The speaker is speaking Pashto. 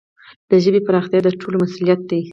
د ژبي پراختیا د ټولو مسؤلیت دی.